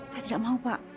saya tidak mau pak